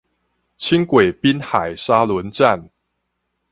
輕軌濱海沙崙站